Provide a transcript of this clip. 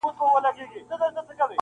چي هر ځای به کار پیدا سو دی تیار وو -